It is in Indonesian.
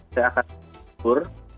saya akan berpikir